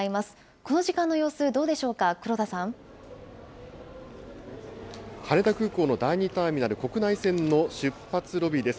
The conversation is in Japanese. この時間の様子、どうでしょうか、羽田空港の第２ターミナル、国内線の出発ロビーです。